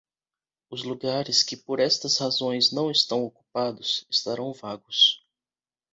Os lugares que por estas razões não estão ocupados estarão vagos.